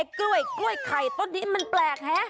ไอ้กล้วยไกล้ไข่ต้นนี้มันแปลกเห้